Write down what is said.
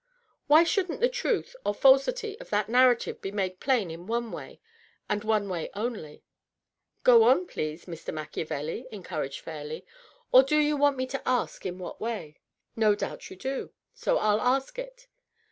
"Why shouldn't the truth or felsity of that narrative be made plain in one way, and one way only ?"" Go on, please, Mr. Machiavelli," encouraged Fairleigh. " Or do you want me to ask in what way? No doubt you do ; so I'll ask it."